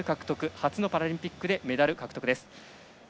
初のパラリンピックでメダル獲得。